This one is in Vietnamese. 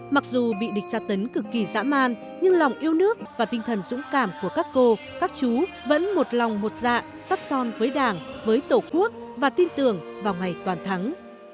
mặc dù bị địch tra tấn cực kỳ dã man nhưng lòng yêu nước và tinh thần dũng cảm của các cô các chú vẫn một lòng một dạ sắt son với đảng với tổ quốc và tin tưởng vào ngày toàn thắng